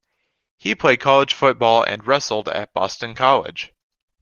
He played college football and wrestled at Boston College.